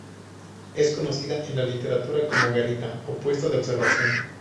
Es conocida en la literatura como "garita" o puesto de observación.